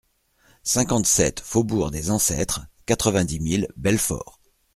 cinquante-sept faubourg des Ancêtres, quatre-vingt-dix mille Belfort